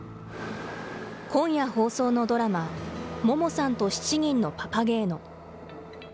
今夜放送のドラマ、ももさんと７人のパパゲーノ。